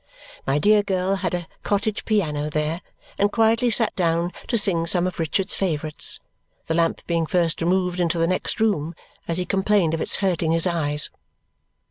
My dear girl had a cottage piano there and quietly sat down to sing some of Richard's favourites, the lamp being first removed into the next room, as he complained of its hurting his eyes.